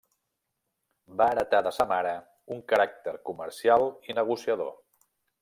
Va heretar de sa mare un caràcter comercial i negociador.